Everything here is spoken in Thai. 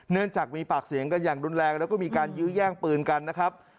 เนื่องจากมีปากเสียงกันอย่างรุนแรงแล้วก็มีการยื้อแย่งปืนกันนะครับ